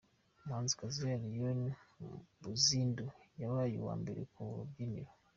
Umuhanzikazi Allioni Buzindu yabaye uwa mbere ku rubyiniro.